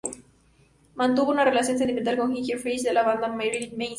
Mantuvo una relación sentimental con Ginger Fish, de la banda Marilyn Manson.